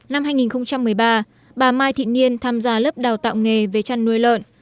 năm hai nghìn một mươi ba bà mai thị nghiên tham gia lớp đào tạo nghề về chăn nuôi lợn